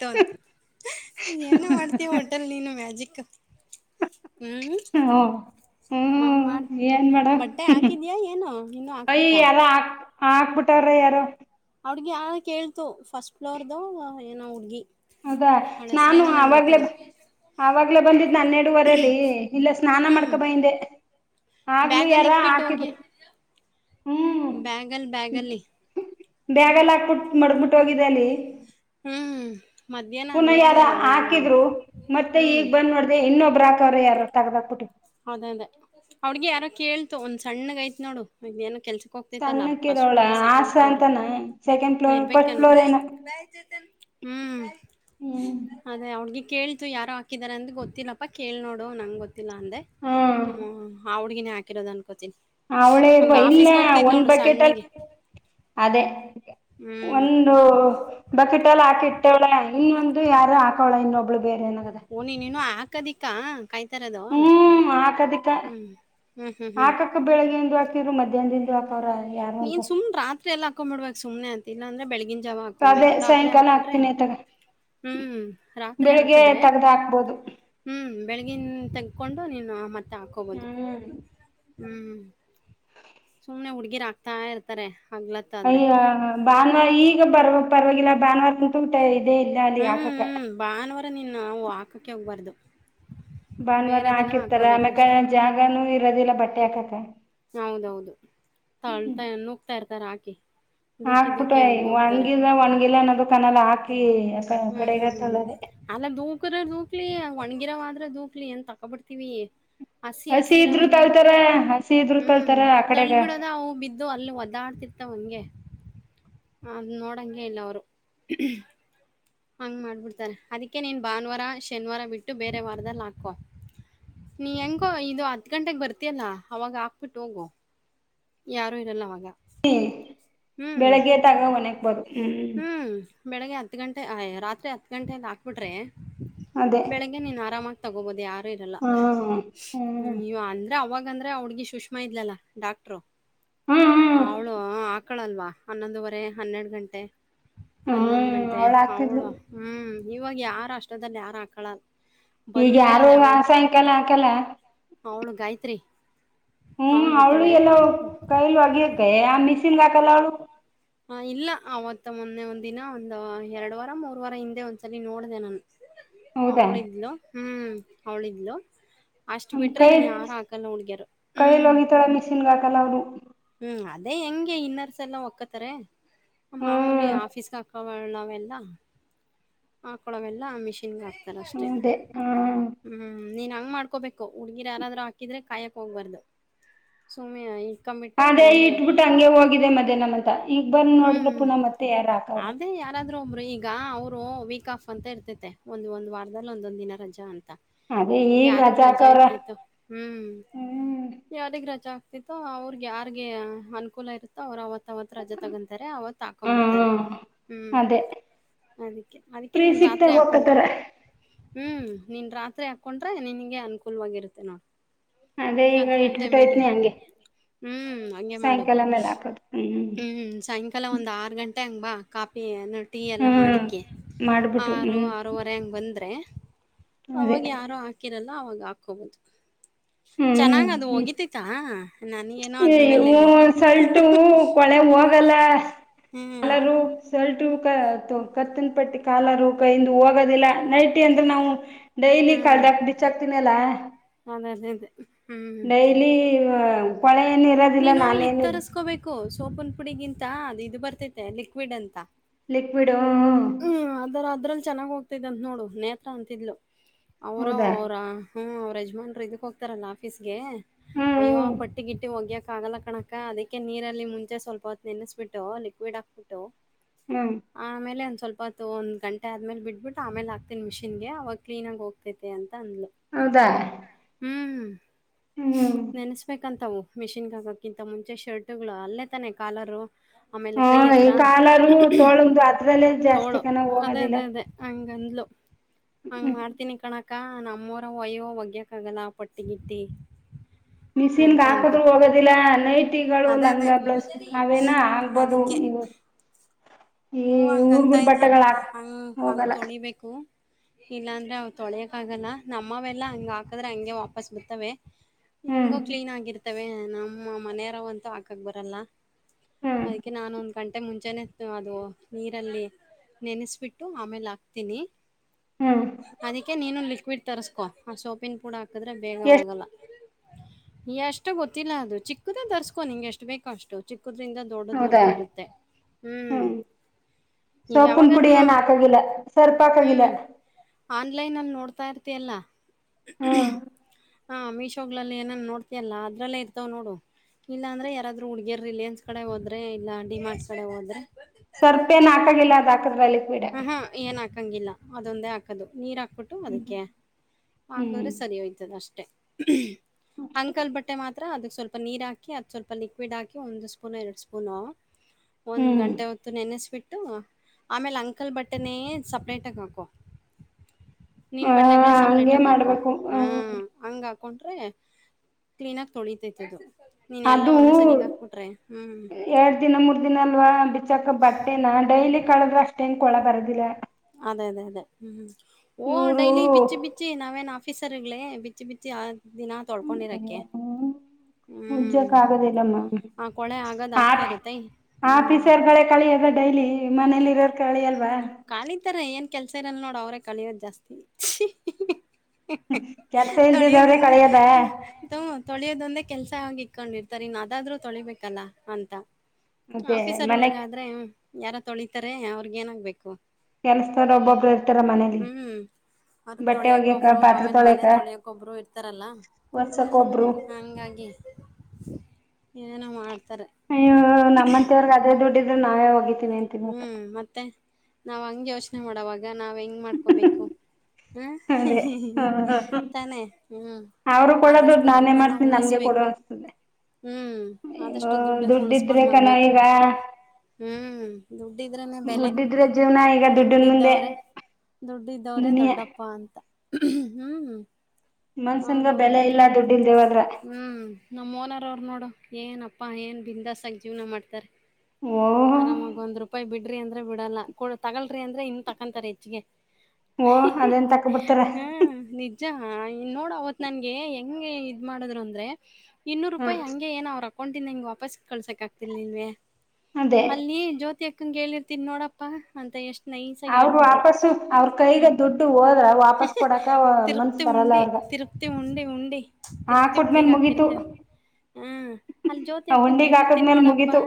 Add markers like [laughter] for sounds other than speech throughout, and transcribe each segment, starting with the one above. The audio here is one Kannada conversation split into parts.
ತೊತ್ ಏನೋ ಮಾಡ್ತಿಯ ಹೋಟಲ್ ನೀನು ಮ್ಯಾಜಿಕ್ ಹ್ಮ ಹ ಮಾಡ್ ಮಾಡ್ ಹ್ಮ್ ಏನ್ ಮಾಡ ಬಟ್ಟೆ ಹಾಕಿದ್ಯಾ ಏನು ಇನ್ನು ಹಾಕ್ಬೇಕಾ. ಹಾಕ್ಬಿಟ್ಟವ್ರೇ ಯಾರೋ. ಹಾ ಹುಡ್ಗಿ ಅವಗೆ ಕೇಳ್ತು ಫಸ್ಟ್ ಫ್ಲೋರ್ದು ಏನೋ ಹುಡ್ಗಿ. ಹೌದಾ ಅವಳ ನಾನು ಹೆಸ್ರೇನೋ ನಂಗೆ ಅವಾಗ್ಲೇ ಗೊತ್ತಿಲ್ಲ ಆವಾಗ್ಲೇ ಬಂದಿದ್ದ ಹನ್ನೆರಡುವರಲ್ಲಿ ಇಲ್ಲ ಸ್ನಾನ ಹ್ಮ್ ಮಾಡ್ಕೊಂಡು ಬಂದಿದೆ ಆಗ್ಲೂ ಬ್ಯಾಗಲ್ಲಿ ಯಾರ ಇಕ್ಬಿಟ್ಟು ಹಾಕಿದ್ದು ಹೋಗಿ ಹ್ಮ. ಬ್ಯಾಗಲ್ಲಿ ಬ್ಯಾಗಲ್ಲಿ ಬ್ಯಾಗ ಅಲ್ಲಿ ಹಾಕ್ಬಿಟ್ಟ ಮಡಗ್ಬಿಟ್ಟ ಹೋಗಿದೆ ಅಲ್ಲಿ. ಹ್ಮ್ ಹ್ಮ್ ಪುನಾ ಯಾರ ಹಾಕಿದ್ರು ಮತ್ತೆ ಹ್ಮ್ ಈಗ್ ಬಂದ್ ನೋಡ್ದ ಇನ್ನೊಬ್ರ ಹಕ್. ಯಾರ ತಗದಕ್ುಟ್ಟು. ಹೌದದೇ ಅವ್ರಿಗೆ ಯಾರೋ ಕೇಳ್ತು ಒಂದ್ ಸಣ್ಣಗ್ ಐತೆ ನೋಡು ಎನ. ಕೆಲಸಕ್ಕ ಹೋಗ್ತಾಯ್ತಲ್ಲ ಫಸ್ಟ್ ಸಣ್ಣಕ್ಕಿರೋಳ ಫ್ಲೋರ್ ಸೆಕೆಂಡ್ ಆಸ ಫ್ಲೋರ್ ಅಂತಾನ ಸೆಕೆಂಡ್ ಫ್ಲೋರ್ ಇರ್ಬೇಕ ಫಸ್ಟ್ ಏನು. ಫ್ಲೋರ್ ಏನೋ ಹ್ಮ್. ಹ್ಮ್ ಅದೇ ಆ ಹುಡ್ಗಿಗೆ. ಕೇಳ್ತು ಯಾರೋ ಹಾಕಿದಿದ್ದಾರೆ ಅಂದ ಗೊತ್ತಿಲ್ಲಪ್ಪಾ ಕೇಳಳ್ ನೋಡು ನಂಗೆ ಗೊತ್ತಿಲ್ಲ ಅಂದೆ. ಹ್ಮ ಆ ಹುಡ್ಗಿನೇ. ಹಾಕಿರದು. ಹ ಅವಳೇಗ ಇಲ್ಲ ಒಂದ್ ನೋಡು ಸಣ್ಣಗೆ ಬಕೆಟಲ್ಲಿ ಅದೇ ಹ್ಮ್ ಒಂದು ಬಕೆಟಲ್ಲಿ ಹಾಕಿ ಇಟ್ಟವ್ಳೆ ಇನ್ನೊಂದು ಯಾರು ಹಾಕೊಳೇ ಇನ್ನೊಬ್ಬ. ೇ. [inaudible] ಓ ನೀ ನೀನು ಆ. ಕದಿಕಾ. [unintelligible] ಕಾಯ್ತಾ ಇರೋದು. ಹ್ಮ್ ಹಾಕದಿಕ್ಕ ಹ್ಮ್ ಹ್ಮ್ ಹ್ಮ್ ಹ್ಮ್. ಮೆಹಂದಿ ಹಾಕಿದ್ ಮಧ್ಯಾಹ್ನದಿಂದ. ನೀನ್ ಸುಮನೆ ರಾತ್ರಿ ಎಲ್ಲ ಹಾಕೊಂಡ್ಬಿಡಬೇಕು ಸುಮ್ನೆ ಅಂತಿನಿ. ಇಲ್ಲ ಅಂದ್ರೆ ಬೆಳಿಗಿನ. ಅದೆ ಸಾಯಂಕಾಲ ಹಾಕ್ತೀನಿ ಆ ತಗ. ಹ್ಮ್ ರಾತ್ರಿ ಬೆಳಿಗ್ಗೆ ಹಾಕದ್ರೆ ತಗ್ದ ಹಾಕ್ಬೋದು ಹ್ಮ್ ಬೆಳಗಿನ್ ತನ್. ಕೊಂಡು ನೀನು ಮತ್ತೆ. ಹ್ಮ. ಹಾಕೋಬೋದು ಹ್ಮ್. ಸುಮ್ನೆ ಹುಡ್ಗಿರ ಹಾಕ್ತಾ ಇರ್ತಾರೆ. ಅಗಲತ್ತು ಆದ್ರೆ. ಅಯ್ಯ ಭಾನುವಾರ ಈಗ ಬರುವಂತ ಪರವಾಗಿಲ್ಲ ಭಾನುವಾರ ಕುಂತ ಊಟ. ಹ್ಮ್ ಹ್ಮ ಭಾನುವಾರ ನಿನ್ನ ನಾವು ಹಾಕೋಕೆ ಹೋಗ್ಬಾರ್ದು. ಭಾನುವಾರ ಬೇರೆ ದಿನ ಹಾಕಿರ್ತಾರ ಆಮ್ಯಕ ಹಾಕೋಬೇಕಷ್ಟೆ. ಜಾಗನೂ ಇರೋದಿಲ್ಲ ಬಟ್ಟೆ. ಹಾಕಕ. ಹೌದೌದು ತಾಳ್ತಾ ನುಗ್ತಾ ಇರ್ತ. ತರಾಕಿ. ಹಾಕ್ಬಿಟೈ ಒಣ್ಗಿಲ್ಲ ಒಣ್ಗಿಲ್ಲ ಅನ್ನದು ಕನಾಲ ಹಾಕಿ ಕಡೆಗ ಹ್ಮ್ ತಳ್ಳದೆ ಅಲ್ಲ ದೂಕರ ದೂಕ್ಲಿ ಒಣ್ಗಿರವಾದ್ರ ದೂಕ್ಲಿ ಏನ್ ತಕೊಬಡ್ತೀವಿ ಹಸಿ ಇದ್ರು ಹಸಿರವೇನ್ ತಳ್ತಾರ ಹಸಿ ಇದ್ರು ಹ್ಮ್ ತಳ್ತಾರ ಆ ತಳ್ಳ ಕಡೆಗ ಬಿಡೋದ ಅವು ಬಿದ್ದು ಅಲ್ಲಿ ಒದಾಡ್ತಿರ್ತಿವ್ ಅವಂಗೆ. ಅದ್ ನೋಡಂಗೆ ಇಲ್ಲ ಅವರು. ಹಂಗ್ ಮಾಡ್ಬಿಡ್ತಾರೆ ಅದಕ್ಕೆ ನೀನ್ ಭಾನುವಾರ ಶನಿವಾರ ಬಿಟ್ಟು ಬೇರೆ ವಾರದಲ್ ಹಾಕೋ ನೀ ಹೆಂಗೋ ಇದು ಹತ್ ಗಂಟೆಗೆ ಬರ್ತೀಯಲ್ಲ ಅವಾಗ ಹಾಕ್ಬಿಟ್ಟು ಹೋಗು. ಯಾರು ಇರಲ್ಲ ಆವಾಗ. ಇ ಬೆಳಗ್ಗೆ ತಕ ಹೂನಿಯಾಕ್ ಬೋದು ಹ್ಮ್. ಬೆಳಗ್ಗೆ ಹತ್ತು ಗಂಟೆ ಆಯೀ ರಾತ್ರಿ ಹತ್ತು ಗಂಟೆಯೆಲೀ ಹಾಕ್ಬಿಡ್ರೆ. ಅದೇ ಬೆಳಗ್ಗೆ ನೀನ್ ಆರಾಮಗ್. ತಗೋ ಬೋದು ಯಾರ್ ಇರಲ್ಲ ಹ್ಮ್ ಅಂದ್ರೆ ಅವಾಗ್ ಅಂದ್ರೆ ಆ ಹುಡ್ಗಿ ಸುಷ್ಮಾ ಇದ್ಲಲ್ಲ ಡಾಕ್ಟ್ರು ಹ್ಮ್ ಹ್ಮ್ ಅವಳು ಆಕ್ ಮಲ್ಕೊಳಲ್ವಾ ಹನ್ನೊಂದುವರೆ ಹನ್ನೆರಡ್ ಗಂಟೆ. ಹನ್ನೊಂದ್ ಹ್ಮ್ ಗಂಟೆ ಅವಳ ಹಾಕ್ತಿದ್ಲು ಹ್ಮ್ ಇವಾಗ್ ಯಾರ್ ಅಷ್ಟ್ರದಲ್ಲಿ ಯಾರ್ ಹಾಕಳಲ್ಲ ಈಗ ಯಾರುಆ ಸ್ಯಯಂಕಾಲ ಹಾಕಲ್ಲ ಅವಳ್ ಗಾಯಿತ್ರಿ ಹ್ಮ್ ಅವಳು ಎಲ್ಲೊ ಕೈಲಿ ಹೋಗಿಯಾಕ್ಕಿ ಆ ಮಿಸಿನ್ ಹಾಕ್ [unintelligible] ಹ ಇಲ್ಲ ಅವತ್ತ ಮೊನ್ನೆ ಒಂದ್ ದಿನ ಒಂದ ಎರಡ್ ವಾರ ಮೂರ್ ವಾರ ಹಿಂದೆ ಒಂದ್ ಸಲಿ ನೋಡ್ಡೆ ನಾನು [unintelligible] ಹೌದಾ ಅವಳಿದ್ಲು ಹ್ಮ್ ಅವಳಿದ್ಲು ಅಷ್ಟ್ ಬಿಟ್ರೆ ಕೈ ಇನ್ ಯಾರ್ ಹಾಗಲ್ಲ ಹುಡ್ಗಿಯರು ಕೈಯಲ್ಲಿ ಹ್ಮ್ ಒಗಿತಾಳ [unintelligible] ಹ್ಮ್ ಅದೇ ಹೆಂಗೆ ಇನ್ನರ್ಸ ಎಲ್ಲ ಒಕ್ಕತ್ತರೆ ಮಾಮೂಲಿ ಹ್ಮ್ ಆಫೀಸ್ಗಾಕ್ ಹೋಗಣ ನಾವೆಲ್ಲ ಹಾಕೊಳವಿಲ್ಲ ಆ ಮಿಷಿನ್ ಗಾಕ್ ಹ್ಮದೇ ಹ್ಮ್ ನೀನ್ ಹಂಗ್ ಮಾಡ್ಕೋಬೇಕು, ಹುಡ್ಗಿರ ಯಾರಾದ್ರೂ ಹಾಕಿದ್ರೆ ಕಾಯಕ್ ಹೋಗ್ಬಾರ್ದು. ಸುಮ್ನೆ ಅದೇ ಇಟ್ಬಿಟ್ಟು ಹಂಗೆ ಹೋಗಿದೆ. ಮಧ್ಯಾಹನಮಂತ ಈಗ ಬಂದ್ ನೋಡಿದ್ರ ಹ್ಮ್ ಪುನ ಮತ್ತೆ ಯಾರಾ ಹಾಕವ್ರ. ಅದೇ [inaudible] ಈಗ ಅವ್ರ ಬ್ರೊ ವೀಕ್ ಆಫ್ ಅಂತ ಇರ್ತೈತೆ. ಒಂದ ಒಂದ ವಾರದಲ್ಲಿ ಒಂದೊಂದ ದಿನ ರಜಾ ಅಂತ ಅದೇ ಅದ್ ಈಗ ಯಾರಿಗ್ ರಜಾ ಹಾಕವ್ರೆ ಇರ್ತಿತ್ತು, ಹ್ಮ್ ಹ್ಮ್ ಯಾರಿಗ್ ರಜಾ [inaudible] ಅವ್ರಿಗೆ ಯಾರ್ಗೆ ಅನುಕೂಲ ಇರುತ್ತೋ ಅವ್ರ ಅವತ್ತ ಅವತ್ ರಜಾ ತಗೊಂತಾರೆ ಅವತ್ ಹಾಕೊ ಬಿಡ್ತಾರೆ ಹ್ಮ್ ಹ್ಮ್ ಅದೇ ಅದಿ ಅದಕ್ಕೆ ಫ್ರೀ ನೀನು ಸಿಕ್ದಾಗ ರಾತ್ರಿ ಹಾಕ್ಕೊಂಡ್ರೆ, ಹೋಗ್ಕೋತಾರ ಹ್ಮ್ ನೀನ್ ರಾತ್ರಿ ಹಾಕೊಂಡ್ರೆ, ನಿನ್ಗೆ ಅನುಕೂಲ್ವಾಗಿರುತ್ತೆ ನೋಡ. ಅದೇ ಈಗ ಹತ್ ಗಂಟೆ ಮೇಲೆ, ಇಟ್ಬಿಟ್ಟೈತ್ನಿ ಹಂಗೆ ಹ್ಮ್ ಹಂಗೆ ಮಾಡು ಸಾಯಂಕಾಲ ಮೇಲೆ ಹಾಕೋದು ಹ್ಮ್ ಸಾಯಂಕಾಲ ಒಂದ್ ಆರ್ ಗಂಟೆ ಹಂಗ್ ಬಾ. ಕಾಪಿ ಏ ನ ಟೀ ಎಲ್ಲ ಮಾಡಿ ಹ್ಮ್ ಓಕೆ ಮಾಡ್ಬಿಟ್ಟು ಆರು ಹ್ಮ್ ಆರೂವರೆ ಹಂಗೆ ಬಂದರೆ ಅದೇ ಅವಾಗ ಯಾರು ಹಾಕಿರಲ್ಲ. ನಾ ಅವಾಗ ಹಾಕೋಬೋದು. ಹ್ಮ್ ಹ್ಮ್ ನನಗೇನೋ ಅದ್ರ ಮೇಲೆ ಸಲ್ಟು ಕೊಳೆ ಹೋಗಲ್ಲ. ಹ್ಮ್ ಸ್ವಲ್ಟ ರೂ ಕ ಕತ್ತನ್ ಪಟ್ಟಿ ಕಾಲರೂ ಕೈಯಂದು ಹೋಗೋದಿಲ್ಲ, ನೈಟ್ ಅಂದ್ರೆ ನಾವು ಡೈಲಿ ಹ್ಮ್. ಕಳೆದಾಕ್ ಬಿಚ್ ಹಾಕ್ತನಿ ಅಲ್ಲ ಹ ಹ್ಮ್ ಕೊಳೆ ಏನ್ ಇರೋದಿಲ್ಲ ನೀನು ಈ ನಾನೇನು ತರಸ್ಕೋಬೇಕು ಸೋಪನ್ ಪುಡಿಗಿಂತ, ಅದು ಇದು ಬರ್ತೈತೆ ಲಿಕ್ವಿಡ್ ಅಂತ. ಲಿಕ್ವಿಡ್ ಹ್ಮ್ ಹ್ಮ್ ಅದರ ಅದ್ರ ಚನ್ನಾಗ್ ಹೋಗತಿದ ಅತ್ ನೋಡು ನೇತ್ರ ಅಂತಿದ್ಲು. ಅವರ ಹೌದಾ ಅವರಾ ಹ್ಮ್ ಅವ್ರ ಯಜಮಾನ್ರು ಇದಕ್ಕ ಹೋಗ್ತಾರಲ್ಲ. ಆಫೀಸ್ಗೆ, ಅಯ್ಯೋ ಹ್ಮ್ ಪಟ್ಟಿ ಗಿಟ್ಟಿ ಒಗ್ಯಕ ಆಗಲ್ಲ ಕಣಕ ಅದಕ್ಕೆ ನೀರಲ್ಲಿ ಮುಂಚೆ ಸ್ವಲ್ಪ ಹೊತ್ ನೆನೆಸ್ಬಿಟ್ಟು ಲಿಕ್ವಿಡ್ ಹಾಕ್ಬಿಟ್ಟು ಹ್ಮ್ ಆಮೇಲೆ ಸ್ವಲ್ಪಹೊತ್ತು ಒಂದ್ ಗಂಟೆ ಆದ್ಮೇಲೆ ಬಿಟ್ಬಿಟ್ಟು ಆಮೇಲೆ ಹಾಕ್ತಿನಿ ಮಿಷಿನ್ಗೆ ಅವಾಗ ಕ್ಲೀನ್ ಆಗ ಹೋಗತೈತೆ ಅಂತ ಅಂ ಹೌದಾ. ಹ್ಮ್ ನೆನಸ್ಬೇಕಂತವು ಮಿಷಿನ್ಗ್ ಹಾಕೋಕ್ಕಿಂತ ಮುಂಚೆ ಶರ್ಟಗಳು ಅಲ್ಲೇ ತಾನೆ ಕಾಲರ್ರು ಹಾ ಈ ಕಾಲಾರು ತೋಳು ಅದ್ರಲ್ಲೇ ಜಾಸ್ತಿ ತೋಳೋ ಕನ ಅದೇ ಹೋಗೋದಿಲ್ಲ ಅದೇ ಅದೇ ಹಂ ಗಂದ್ಲು ಹಂಗ್ ಹ್ಮ್ ಮಾಡ್ತೀನಿ ಕಣ ಕ್ಕ ನಮ್ಮೂರ ವಯ್ಯೋ ಒಗ್ಯಕ ಆಗಲ್ಲ ಪಟ್ಟಿಗಿಟ್ಟಿ. ಮಿಸಿನ್ಗೆ ಹಾಕದ್ರು ಹೋಗೋದಿಲ್ಲ ನೈಟಿಗಳು ಅದೇ ಅದೇ ಲಂಗ ಬ್ಲೌಸ್ ನಾವೇನ ಆಗ್ಬೋದು ಇವು ಈ ಹೂ ಹಂಗಂತಾ ಹುಡ್ಗುರ್ ಇದ್ಲು ಬಟ್ಟೆಗಳು ಹಾಕ್ ಹಂಗ್ ಹಂಗ್ ಹೋಗಲ್ಲ ತೊಳಿಬೇಕು. ಇಲ್ಲಾ ಅಂದ್ರೆ ಅವ್ ತೊಳೆಯಕ್ ಆಗಲ್ಲ ನಮ್ಮವೆಲ್ಲಾ ಹಂಗ್ ಹಾಕದ್ರೆ ಹಂಗೆ ವಾಪಸ್ ಬತ್ತವೆ. ಹ್ಮ್ ಹೆಂಗೋ ಕ್ಲೀನ್ ಆಗಿರ್ತವೆ ನಮ್ಮ ಮನೆವ್ರಂತಾವ್ ಹಾಕಾಕ್ ಬರಲ್ಲ. ಹ್ಮ್ ಅದಕ್ಕೆ ನಾನು ಒಂದ್ ಗಂಟೆ ಮುಂಚೆನೆ ಅದು ನೀರಲ್ಲಿ ನೆನೆಸ್ಬಿಟ್ಟು ಆಮೇಲೆ ಹಾಕ್ತೀನಿ. ಹ್ಮ್ ಅದಕ್ಕೆ ನೀನು ಲಿ ಲಿಕ್ವಿಡ್ ತರಿಸ್ಕೋ ಆ ಸೋಪಿನ್ ಪುಡಾ ಹಾಕಿದ್ರೆ ಬೇಗ ಎಷ್ಟ ಹೋಗಲ್ಲ. ಎಷ್ಟು ಗೊತ್ತಿಲ್ಲ ಅದು ಚಿಕ್ಕದ ತರಸ್ಕೋ ನಿಂಗೆ ಎಷ್ಟು ಬೇಕ ಅಷ್ಟು ಚಿಕ್ ಕ್ಕುದ್ರಿಂದ ಹೌದಾ ದೊಡ್ಡದ್ವರ್ಗೂ ಇರುತ್ತೆ ಹ್ಮ್. ಈಗ ಸೋಪಿನ ಪುಡಿ ಯಾವಾಗನ್ನ ಏನ ಹಾಕಂಗಿಲ್ಲ ಸರ್ಪ್ ಹಾಕಂಗಿಲ್ಲ. ಹ್ಮ್ ಆನ್ಲೈನಲ್ಲಿ ನೋಡ್ತಾ ಇರ್ತಿಯಲ್ಲ [inaudible] ಹಾ ಮೀಶೋಗಳಲ್ಲಿ ಏನನ್ ನೋಡ್ತಿಯಲ್ಲ ಅದ್ರಲ್ಲೇ ಇರ್ತವ್ ನೋಡು ಇಲ್ಲಾಂದ್ರೆ ಯಾರಾದ್ರೂ ಹುಡ್ಗಿಯರ್ ರಿಲಯನ್ಸ್ ಕಡೆ ಹೋದ್ರೆ ಇಲ್ಲ ಡಿಮಾರ್ಟ್ಸ್ ಕಡೆ ಹೋದ್ರೆ ಸರ್ಪೇನ್ ಹಾಕಂಗಿಲ್ಲ ಅದ ಹಾಕದ್ರ ಲಿಕ್ವಿಡ್ ಆಹಾ! ಏನ್ ಹಾಕಂಗಿಲ್ಲ. ಅದೊಂದೇ ಹಾಕದು ನೀರ್ ಹಾಕ್. ಹಾಕ್ಬಿಟ್ಟು ಹ್ಮ್ ಅದಕ್ಕೆ ಹ್ಮ್ ಹಾಕದ್ರೆ ಸರಿ ಹೋಯ್ತದೆ ಅಷ್ಟೇ. [inaudible] ಅಷ್ಟೇ ಅಂಕಲ್ ಬಟ್ಟೆ ಮಾ ತ್ರ ಅದಕ್ ಸ್ವಲ್ಪ ನೀರ್ ಹಾಕಿ ಅದ್ ಸ್ವಲ್ಪ ಲಿಕ್ವಿಡ್ ಹಾಕಿ ಒಂದು ಸ್ಪೂನ್ ಎರಡು ಸ್ಪೂನೋ ಒಂದ್ ಹ್ಮ್ ಗಂಟೆ ಒ ನೆನ್ಸ್ ಬಿಟ್ಟು ಆಮೇಲೆ ಅಂಕಲ್ ಬಟ್ಟೆನೇ ಸಪರೇಟ್ ಆಗಿ [unintelligible] ಹ ನಿನ್ನ್ ಬಟ್ಟೆಗಳೆ ಸಪ್ರೇಟ್ ಹಂಗೆ ಆಗಿ ಹಾಕೋ ಮಾಡ್ಬೇಕು ಹ್ಮು ಹ್ಮ ಹಂಗಾ [unintelligible] ಕೊಟ್ರೇ ಕ್ಲೀನ್ ಆಗಿ ತೊಳಿತೈತಿ ಅದು. ಅದು ಹ್ಮ್. ಎರಡ್ ದಿನ ಮೂರ್ ದಿನ ಅಲ್ವಾ ಬಿಚ್ಚಾಕ ಬ [unintelligible] ಡೈಲಿ ಕಳದ್ರೆ ಅಷ್ಟೇನ್ ಕೊಳ [unintelligible] ಅದೇ ಅದೇ ಅದೇ ಹ್ಮು. ಓ ಇವರು ಡೈಲಿ ಬಿಚ್ಚಿ ಬಿಚ್ಚಿ ನಾವೇನ್ ಹಾ ಆಫೀಸರಗಳೇ ಬಿಚ್ಚಿ ಬಿಚ್ಚಿ ಆ ದಿನ ತೊಳ್ಕೊಂಡಿರಕ್ಕೆ ಹ್ಮು ಹ್ಮ್ ಉಜ್ಜಕ ಆಗೋದಿಲ್ಲಮ್ಮ ಆ ಕೊಳೆ ಆಗದ್ ಆಗ್ತಾ ಇರುತ್ತೆ ಹ್ಮ್ [unintelligible] ಈ ಮನೆಯಲ್ಲಿ ಇರೋರ್ ಕಳೆ ಎಲ್ಲ ಕಾಳಿತಾರೆ ಏನ್ ಕೆಲ್ಸ ಇರಲ್ ನೋಡ ಅವ್ರೇ ಕಳಿಯೋದ ಜಾಸ್ತಿ. ಕೆಲ್ಸ ತೊಳಿಯ ಇಲ್ದಿದವ್ರೆ ದೊಂದೇ ಕಳಿಯದ ಹ ತೊ ತೊಳಿಯ ದೊಂದೇ ಕೆಲ್ಸ ಹಾಗೆ ಕಂಡಹಿತಾರೆ ಇನ್ನ್ ಅದಾದ್ರೂ ತೊಳಿಬೇಕಲ್ಲಾ ಅಂತ. ಮತ್ತೆ ಮನೆ ಆಫೀಸರ್ಗೋಳ್ಗಾದ್ರೆ ಹ್ಮು ಯಾರ ತೊಳಿತಾರೆ ಅವ್ರಿಗ್ ಏನಾಗ್ಬೇಕು. ಪ ಕೆಲಸದಾವರ್ ಒಬ್ಬೊಬ್ರು ಇರ್ತರ ಮನೇಲಿ ಹ್ಮ್ ಅವ್ರ ಬಟ್ಟೆ ಒಗ್ಯಕ, ತೊಳಿಯಕೊಬ್ರು ಪಾತ್ರೆ ಆಮೇಲ್ ಮನೆ ತೊಳ್ಯಾಕ, ತೊಳಿಯಕೊಬ್ರು ಇರ್ತಾರಲ್ಲ ವರ್ಸಕ್ ಒಬ್ರು. ಏನ ಮಾಡ್ ಅಯ್ಯ ನಮ್ಮಂತ್ಯಾವ್ರಿಗ ಅದೇ ದುಡ್ಡಿದ್ರ ನಾವೇ ಒಗಿತೀವಿ ಅಂತೀವಿ ಹ್ಮು ಮತ್ತ ಮತ್ತೆ ನಾವ್ ಹಂಗ ಯೋಚನೆ ಮಾಡೋವಾ ಈಗ ನಾವ್ ಹೆಂಗ್ ಮಾಡ್ಕೋಬೇಕು. ಹ ಅದೇ ತಾನೇ ಹ್ಮು ಅವರು ಕೊಡೋ ಆದಷ್ಟು ದುಡ್ಡು ನಾನೇ ದುಡ್ಡನ್ನ ಮಾಡ್ತೀನಿ ನಮ್ಗೆ ಕೊಡು ಉಳಸ್ಬೇಕು ಅನ್ಸ್ತದೆ ಹ್ಮು ಅಯ್ಯೋ ಆದಷ್ಟು ದುಡ್ಡನ್ನು ದುಡ್ಡಿದ್ರೆ ಉಳಸ್ಕೊಂಡ್ ಕಣ ಮಾಡ್ಬೇಕು ಈಗ ಹ್ಮು. ದುಡ್ಡಿದ್ ಇದ್ರೆನೆ ಬೆಲೆ ದುಡ್ಡಿದ್ರೆ ಜೀವನ ಈಗ ದುಡ್ಡಿನ ಮುಂದೆ ದುಡ್ಡಿದ್ದವ್ರೇ ದುಡ್ಡಿದ್ದವ್ರೇ ದುನಿಯಾ ದೊಡ್ಡಪ್ಪ ಅಂತ. ಹ್ಮ್ ಹ್ಮ ಮನ್ಸನ್ಗ ಹೌದೌದು ಬೆಲೆ ಇಲ್ಲ ದುಡ್ಡಿಲ್ದೆ ಹೋದ್ರ ಹ್ಮ್ ನಮ್ಮೋನರ್ ಅವ್ರು ನೋಡು. ಏನಪ್ಪಾ ಏನ್ ಬಿಂದಾಸಾಗ್ ಜೀವ್ನ ಮಾಡ್ತಾರೆ. ಓ ಆರಾಮಾಗಿ ಒಂದ್ ರೂಪಾಯಿ ಬಿಡ್ರಿ ಅಂದ್ರೆ ಬಿಡಲ್ಲ ಕೊ ತಗಳ್ರಿ ಅಂದ್ರೆ ಇನ್ನು ತಕೊಂತಾರೆ ಹೆಚ್ಚಿಗೆ. ಓ ಅದೇನ್ ತಕ ಬಿಡ್ತಾರ. ಹಾ ನಿಜ ನೋಡ್ ಅವತ್ ನನ್ಗೆ ಹೆಂಗ ಇದ್ ಮಾಡದ್ರು ಅಂದ್ರೆ. ಇನ್ನೂರು ರೂಪಾಯಿ ಹಾಂಗೆ ಏನೊ ಅವರ್ ಅ ಅಕೌಂಟೆಂದ್ ಹಂಗೆ ವಾಪಸ್ ಕಳ್ಸಕ್ ಆಗ್ತಿರ್ಲಿಲ್ವೇ ಅದೇ ಅಲ್ಲಿ ಜ್ಯೋತಿ ಕ್ಕಂಗ್ ಹೇಳಿರ್ತೀನಿ ನೋಡಪ್ಪಾ ಅಂತ ಎಷ್ಟು ನೈಸಾಗಿ ಅವರು ಹೇಳ್ಬಿಟ್ರು ವಾಪಸ್ಸು ಅವ್ರ ಕೈಗೆ ಹ್ಮ್ ದುಡ್ಡು ಹೋದ್ರ ವಾಪಸ್ ಕೊಡಕ ಮನ್ಸ್ ತಿರುಪ್ತಿ ಬರಲ್ಲ ಉಂಡಿ ಅವ್ರಗ ತಿರುಪ್ತಿ ಉಂಡಿ ಉಂಡಿ ತಿರುಪ್ತಿ ಹಾಕ್ಬಿಟ್ಟ್ಮೇಲ್ ಉಂಡಿಗೆ ಮುಗೀತು ಹಾಕಿರ್ತೇನ ಹ ಅಲ್ಲಿ ಜ್ಯೋತಿ ಆ ಅಕ್ಕನ್ಗ್ ಉಂಡಿಗ್ ಹೇಳಿರ್ತೀನಿ ಹಾಕದ್ಮೇಲ್ ನೋಡಪ್ಪಾ. ಮುಗೀತು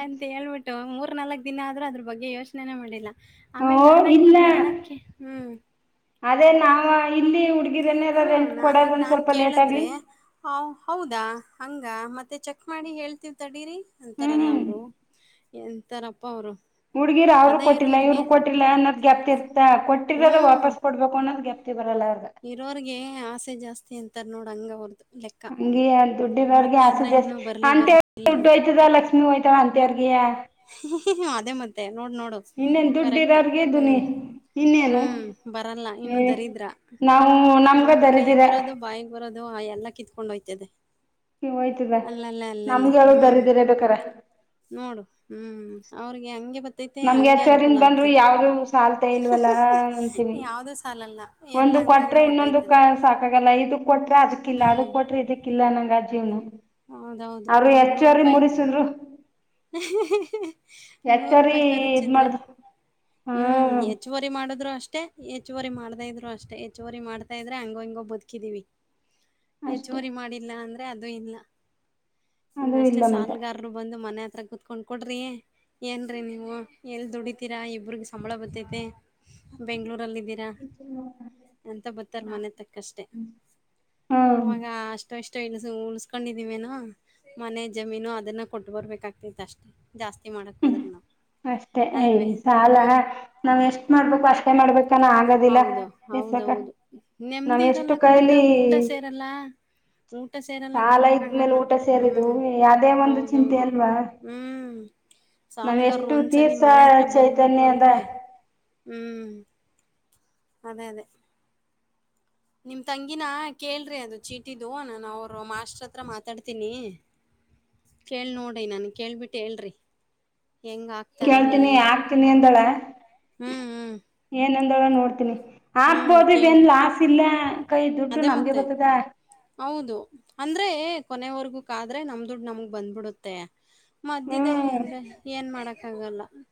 ಅಂತೇಳ್ಬಿಟ್ಟು ಮೂರ್ ನಾಲ್ಕ್ ದಿನ ಆದ್ರೂ ಅದ್ರ ಬಗ್ಗೆ ಯೋಚನೆನೇ ಮಾಡಿಲ್ಲ. ಓ ಆಮೇಲೆ ನಾನೇ ಇಲ್ಲ ನಾನೇಕ್ ಹ್ಮ್. ಅದೇ ನಾವ ಇಲ್ಲಿ ಹುಡ್ಗಿರನ್ನೆಲ್ಲ ಹ್ಮ್ ರೆಂಟ್ ಕೊಡೋದ ಒಂದ್ ನಾನಾಗ್ನಾನ್ ಸ್ವಲ್ಪ ಲೇಟ್ ಕೇಳಿದ್ರೆ ಆಗ್ಲಿ ಹೌದಾ ಹಂಗ ಮತ್ತ್ ಮತ್ತ ಚೆಕ್ ಮಾಡಿ ಹೇಳ್ತೀವ್ ತಡೀರಿ. ಅಂತಾರಲ್ಲ ಹ್ಮ್ ಅವ್ರು. ಎಂತಾರಪ್ಪ ಅವ್ರು. ಹುಡ್ಗಿರು ಅವರು ಕೊಟ್ಟಿಲ್ಲ ಇವ್ರು ಕೊಟ್ಟಿಲ್ಲ ಅನ್ನೋದ್ ಗ್ಯಾಪ್ಕ ಇರ್ತಾ ಕೊಟ್ಟಿರೋದು ಹ್ಮ್ ವಾಪಸ್ ಕೊಡ್ಬೇಕು ಅನ್ನೋದ ಗ್ಯಾಪ್ ಇರೋರ್ಗೆ ಆಸೆ ಜಾಸ್ತಿ ಅಂತಾರ. ನೋಡ ಹಂಗವರ್ದು. ಹಂಗಿಯೆ ದುಡ್ಡಿರೊರ್ಗೆ ಆಸೆ ಇನ್ನೂ ಜಾಸ್ತಿ ಬರ್ಲಿ ಬರ್ಲಿ ಅಂತವ್ರಿಗೆ ಬರ್ಲಿ ದುಡ್ಡು ಅಂತ. ಹೋಯ್ತದ ಲಕ್ಷ್ಮಿ ಹೋಯ್ತಳ ಅಂತ ಅ ಅದೇ ಮತ್ತೆ. ನೋಡು ನೋಡು ಇನ್ನೇನ್ ದುಡ್ಡು ಕರೆಕ್ಟ್ ಇರೋರ್ಗೆ ದುನಿ ಹ್ಮ್ ಇನ್ನೇನು ಹ್ಮ್ ಬರಲ್ಲ ಇನ್ನೂ ಏ ದರಿದ್ರ ನಾವು ನಮ್ಗ ನಮ್ ಕೈಗ್ ದರಿದಿರ ಬರೋದು ಬಾಯಿಗೆ ಬರೋದು ಎಲ್ಲಾ ಕಿತ್ ಕೊಂಡೋಯ್ತದೆ. ಈ ಹೋಯ್ತದ ನಮ್ಗೆ ಹೇಳು ಹ್ಮ್ ದರಿದರ ಬೇಕಾರೆ. ನೋಡು ಹ್ಮ್ ಅವ್ರಿಗೆ ಹಂಗೆ ಬ ನಮ್ಗೆ ಹಚ್ಚರಿಂದ ಬಂದ್ರು ಯಾವ್ದು ಸಾಲ್ತ ಇಲ್ವಲ್ಲ ಅಂತನೀ ಯಾವ್ದೂ ಸಾಲಲ್ಲ ಎಲ್ಲ ಒಂದುಕ್ ಕೊಟ್ರೆ ಹಂಗಂಗೆ ಇನ್ನೊಂದುಕ್ಕ ಹೊಟ್ಟೋಯ್ತದೆ ಸಾಕಾಗಲ್ಲ ಇದು ಕೊಟ್ ಇಲ್ಲ ಅದಕ್ಕ ಹ್ಮ್ ಕೊಟ್ರ ಇದಕ್ಕಿಲ್ಲ ಅನ್ನಂಗೆ ಅ ಏನು? ಹೌದೌದು ಅವ್ರು ಹೆಚ್ಚುವರಿ ಮುರಿಸಿದ್ರು. ಹೂ ಹೂ ಹೂ ಹೆಚ್ಚೋರಿ ರೂಪಾಯಿ ಇದ್ ಖರ್ಚಿದ್ರೆ ಮಾಡಿದ್ರು ಹಾ ಹ್ಮ್ ಹೆಚ್ಚುವರಿ ಮಾಡುದ್ರು ಅಷ್ಟೇ ಹೆಚ್ಚುವರಿ ಮಾಡ್ದೆ ಇದ್ರು ಅಷ್ಟೆ ಹೆಚ್ಚುವರಿ ಮಾಡ್ತಾ ಇದ್ರೆ ಹಂಗೋ ಹಿಂಗೊ ಬದುಕಿದಿವಿ. ಅಷ್ಟೇ ಹೆಚ್ಚುವರಿ ಮಾಡಿಲ್ಲ ಅಂದ್ರೆ ತ್ತೆ ಅದು ಇಲ್ಲ. ಅದು ಇನ್ನಷ್ಟೇ ಇಲ್ಲ ಮತ್ತೆ ಸಾಲುಗಾರ್ರು ಬಂದು ಮನೆ ಆತ್ರ ಕೂತ್ಕೊಂಡ್ ಕೊಡ್ರಿ ಏನ್ರೀ ನೀವು ಎಲ್ಲಿ ದುಡಿತೀರಾ ಇಬ್ರಿಗೆ ಸಂಬಳ ಬತ್ತೈತೆ. ಬೆಂಗಳೂರಲ್ಲಿದ್ದೀರಾ ಅಂತ ಬರ್ತಾರ್ ಮನೆ ತಕ್ಕಷ್ಟೆ ಅವಾಗ ಹ್ಮ ಅಷ್ಟೊ ಇಷ್ಟ್ ತೆ ಇ ಉಳ್ಸ್ಕೊಂಡಿದಿವೇನ ಮನೆ ಜಮೀನು ಅದನ್ನ ಕೊಟ್ಟು ಬರ್ಬೇಕಾತ. ಅಷ್ಟೆ. ಹ್ಮ್ ಅಷ್ಟೇ ಎಯ್ ಅಲ್ವೇ ಸಾಲ ಹ್ಮ್ ನಾವ್ ಎಷ್ಟ್ ಮಾಡ್ಬೇಕು ಅಷ್ಟೇ ಮಾಡ್ಬೇಕು. ಹೌದ ಹೌದೌದು ನೆಮ್ದಿ ನಾವ್ ಎಷ್ಟು ಇರಲ್ಲ ಕಣಕ ಕೈಲಿ ಊಟ ಸೇರಲ್ಲ ಊಟ ಸೇರೆಲ್ಲ ಸಾಲ ಇದ್ಮೇಲೆ ತಿನ್ನಕ್ಕಾಗಲ್ಲ ಊಟ ಸೇರಿದು ಹ್ಮ್ ಯಾವದೇ ಒಂದು ಚಿಂತೆ ಹೌದೌದು ಅಲ್ವಾ ಹ್ಮ್. ನಾವ್ ಸಾಲ್ಗಾರರು ಎಷ್ಟು ಒಂದ್ಸಲಿ ತೀರ್ಸ ಮನೆ ಹತ್ರ ಬಂದ್ಬಿಟ್ರು ಚೈತನ್ಯ ಅದ ಅಂದ್ರೆ ಹ್ಮ್ ಅದೇ ಅದೇ. ನಿಮ್ ತಂಗಿನ ಕೇಳ್ರಿ ಅದು ಚೀಟಿದು ನಾನು ಅವರು ಮಾಸ್ಟ್ರ ಹತ್ರ ಮಾತಾಡ್ತೀನಿ ಕೇಳ್ ನೋಡಿ ನನ್ಗೆ ಕೇಳ್ಬಿಟ್ಟು ಹೇಳ್ರಿ. ಹೆಂಗ್ ಹಾಕ್ತಾರ ಕೇಳ್ತೀನಿ ಹೆಂಗೆ ಹಾಕ್ತೀನಿ ಹ್ಮ್ ಅಂದಳ ಹ್ಮ್. ಏನಂದೊಳ ನೋಡ್ತೀನಿ. ಹ್ಮ್ ಆಕ್ಬೋದು ಕೇಳ ಇದೆನ್ ಲಾಸ್ ಇಲ್ಲ ಕೈ ದುಡ್ಡು ಅದೇ ನಮ್ಗೆ ಮತ್ತೆ ಬರ್ತ್ತದ. ಹೌದು ಅಂದ್ರೆ ಕೊನೆವರ್ಗೂ ಕಾದ್ರೆ ನಮ್ ದುಡ್ ನಮಗ್ ಬಂದ್ಬಿಡುತ್ತೆ. ಮಧ್ಯದಲ್ಲಿ ಅಂದ್ರೆ ಏನ್ ಮಾಡಕ್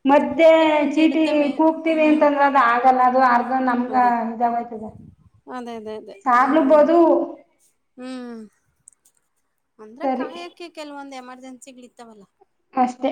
ಮದ್ಯೆ ಚೀಟಿ ಇರ್ತವೆ ಕೂಗ್ತಿವಿ ಹ್ಮ್ ಅಂತಂದ್ರ ಅದು ಆಗಲ್ಲ ಅದು ಅರ್ಧ ನಮ್ಗ ಅದೇ ಇದಾಗೋಯ್ತದ ಅದೇ ಅದೇ ಅದೇ ಸಾರ್ಲು ಹ್ಮ್ ಬೋದು. ಹ್ಮ್ ಅಂದ್ರೆ ಸರಿ ಕಾಯಕ್ಕೆ ಕೆಲವೊಂದ್ ಎಮರ್ [unintelligible] ತ್ತವಲ ಅಷ್ಟೇ.